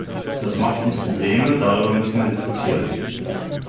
Das macht uns Probleme, darüber müssen wir diskutieren.